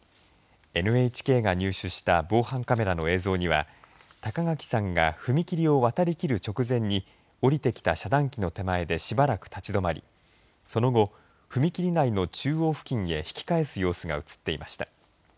ＮＨＫが入手した防犯カメラの映像には高垣さんが踏み切りを渡りきる直前に降りてきた遮断機の手前でしばらく立ち止まりその後、踏み切り内の中央付近へ引き返す様子が映っていました。